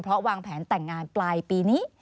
เพราะวางแผนแต่งงานปลายปีนี้